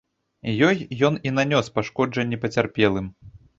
Ёй ён і нанёс пашкоджанні пацярпелым.